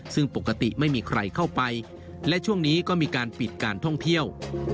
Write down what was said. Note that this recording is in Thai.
ซึ่งปกติไม่มีใครเข้าไปและช่วงนี้ก็มีการปิดการท่องเที่ยว